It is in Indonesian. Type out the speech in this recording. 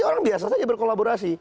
orang biasa saja berkolaborasi